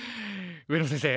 上野先生